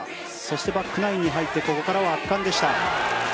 そしてバックナインに入ってここからは圧巻でした。